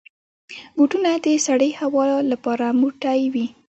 بوټونه د سړې هوا لپاره موټی وي.